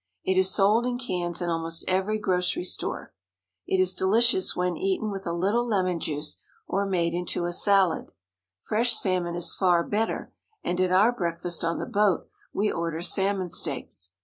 It is sold in cans in almost every grocery store. It is delicious when eaten Fishing for Salmon. with a little lemon juice, or made into a salad. Fresh salm on is far better, and at our breakfast on the boat we order salmon steaks.